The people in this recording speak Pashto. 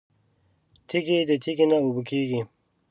تږې ده تږې نه اوبه کیږي